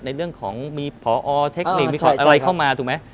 ในเรื่องของมีพอเทคนิคมีอะไรเข้ามาถูกไหม